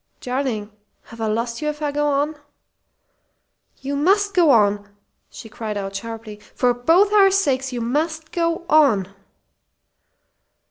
"Darling! Have I lost you if I go on?" "You must go on!" she cried out, sharply. "For both our sakes you must go on!"